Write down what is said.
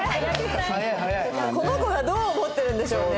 この子はどう思ってるんでしょうね？